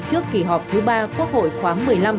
trước kỳ họp thứ ba quốc hội khoáng một mươi năm